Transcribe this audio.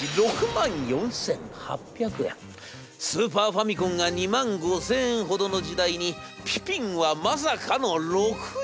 スーパーファミコンが２万５，０００円ほどの時代にピピンはまさかのロクヨンパ−！